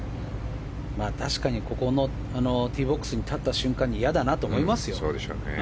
確かにここのティーボックスに立った瞬間に嫌だなと思いますよ。